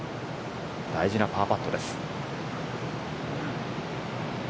大事なパーパットです。